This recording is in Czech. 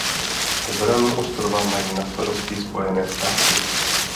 Obranu ostrova mají na starosti Spojené státy.